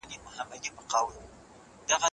هر څه ورته عجیبه ښکارېدل.